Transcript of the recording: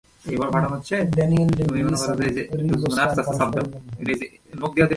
Daniel Day Lewis এবং Ringo Starr পরস্পরের বন্ধু।